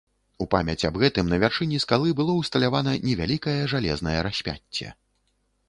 У памяць аб гэтым на вяршыні скалы было ўсталявана невялікае жалезнае распяцце.